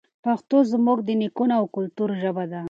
پښتو زموږ د نیکونو او کلتور ژبه ده.